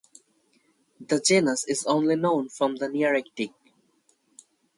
The genus is only known from the Nearctic.